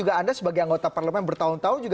anda sebagai anggota parlemen bertahun tahun